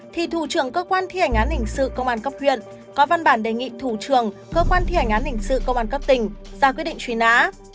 thì thủ trưởng cơ quan thi hành án hình sự công an cấp huyện có văn bản đề nghị thủ trưởng cơ quan thi hành án hình sự công an cấp tỉnh ra quyết định truy nã